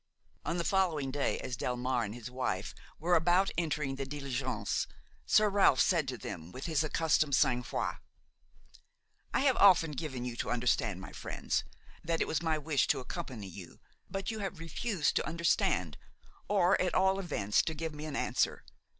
On the following day, as Delmare and his wife were about entering the diligence, Sir Ralph said to them with his accustomed sang froid: "I have often given you to understand, my friends, that it was my wish to accompany you; but you have refused to understand, or, at all events, to give me an answer.